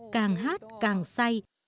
càng hát càng say